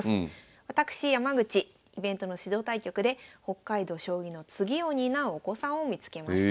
私山口イベントの指導対局で北海道将棋の次を担うお子さんを見つけました。